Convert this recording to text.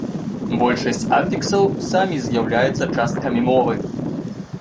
Большасць афіксаў самі з'яўляюцца часткамі мовы.